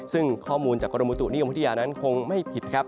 ซึ่งข้อมูลจากกรมบุตุนิยมพัทยานั้นคงไม่ผิดครับ